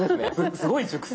すごい熟睡！